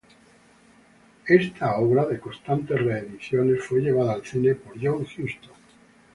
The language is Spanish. Esta obra, de constantes reediciones, fue llevada al cine por John Huston.